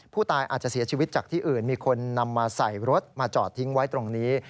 ผู้ตายอาจจะเสียชีวิตจากที่อื่นมีคนนำมาใส่รถมาจอดทิ้งไว้ตรงนี้